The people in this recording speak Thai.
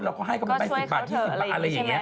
เขาก็ให้กำลังไป๑๐บาท๒๐บาทอะไรอย่างนี้